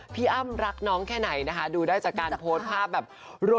พี่อ้ำรักน้องแค่ไหนนะคะดูได้จากการโพสต์ภาพแบบ